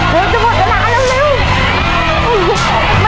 พอแล้วลูก